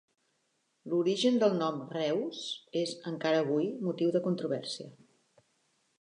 L’origen del nom Reuss és, encara avui, motiu de controvèrsia.